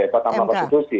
pak kampang prasutusi